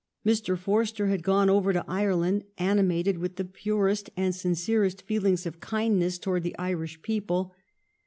Mr. Forster had gone over to Ireland animated with the purest and sincerest feelings of kindness toward the Irish people.